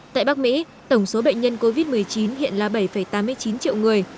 tại bắc mỹ tổng số bệnh nhân covid một mươi chín hiện là bảy tám mươi chín triệu người